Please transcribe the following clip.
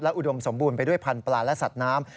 อุดมสมบูรณ์ไปด้วยพันธุปลาและสัตว์น้ำ